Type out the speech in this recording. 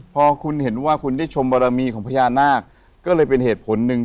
พอคุณเห็นว่าคุณได้ชมบารมีของพญานาคก็เลยเป็นเหตุผลหนึ่ง